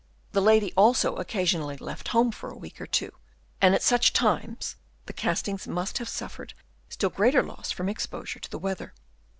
The lady also occasionally left home for a week or two, and at such times the castings must have suffered still greater loss from exposure to the weather.